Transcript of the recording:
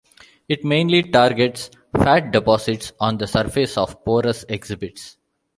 It mainly targets fat deposits on the surface of porous exhibits.